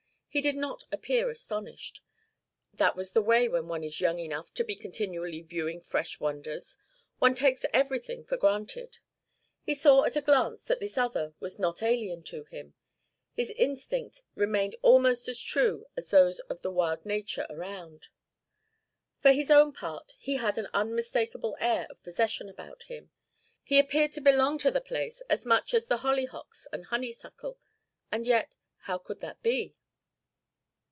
He did not appear astonished. That is the way when one is young enough to be continually viewing fresh wonders; one takes everything for granted. He saw at a glance that this other was not alien to him; his instinct remained almost as true as those of the wild nature around. For his own part, he had an unmistakable air of possession about him. He appeared to belong to the place as much as the hollyhocks and honeysuckle; and yet, how could that be?